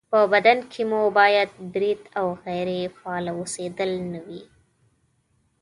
په بدن کې مو باید برید او غیرې فعاله اوسېدل نه وي